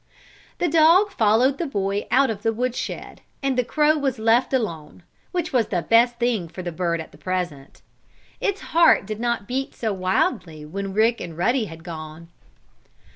The dog followed the boy out of the woodshed, and the crow was left alone, which was the best thing for the bird at present. Its heart did not beat so wildly when Rick and Ruddy had gone.